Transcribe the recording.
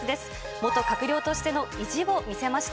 元閣僚としての意地を見せました。